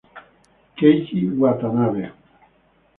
Keiji Watanabe